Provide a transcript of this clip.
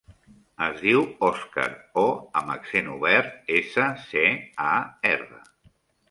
Es diu Òscar: o amb accent obert, essa, ce, a, erra.